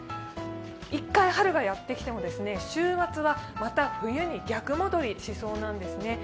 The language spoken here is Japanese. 一回春がやってきても、週末はまた冬に逆戻りしそうなんですね。